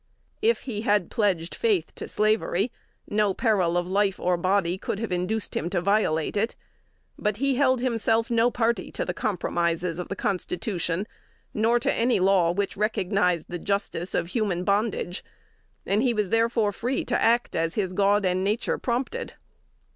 If he had pledged faith to slavery, no peril of life or body could have induced him to violate it. But he held himself no party to the compromises of the Constitution, nor to any law which recognized the justice of human bondage; and he was therefore free to act as his God and nature prompted.